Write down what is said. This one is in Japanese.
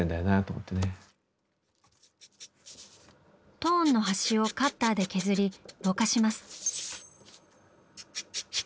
トーンの端をカッターで削りぼかします。